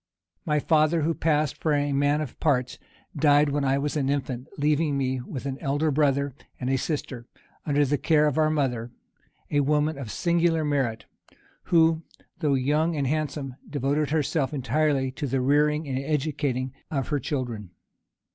My father, who passed for a man of parts, died when I was an infant, leaving me, with an elder brother and a sister, under the care of our mother, a woman of singular merit, who, though young and handsome, devoted herself entirely to the rearing and educating of her children.